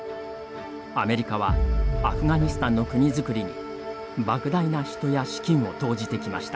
アメリカはアフガニスタンの国づくりにばく大な人や資金を投じてきました。